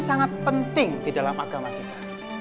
sangat penting di dalam agama kita